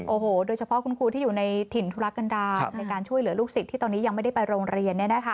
โอ้โหโดยเฉพาะคุณครูที่อยู่ในถิ่นธุรกันดาในการช่วยเหลือลูกศิษย์ที่ตอนนี้ยังไม่ได้ไปโรงเรียน